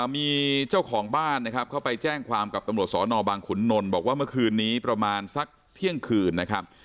มีเจ้าของบ้านนะครับเขาไปแจ้งความกับตำรวจสอนอบางขุนนลบอกว่าเมื่อคืนนี้ประมาณสักเที่ยงคืนนะครับ